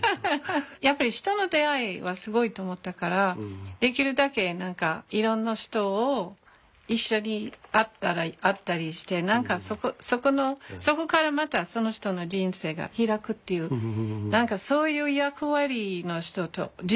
やっぱり人の出会いはすごいと思ったからできるだけいろんな人を一緒に会ったりして何かそこからまたその人の人生が開くっていう何かそういう役割の人だと自分でそう思ってる。